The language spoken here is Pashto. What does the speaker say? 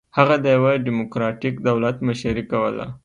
هغه د یوه ډیموکراټیک دولت مشري کوله.